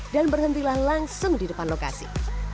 dan berhentilah langsung di depan lokasi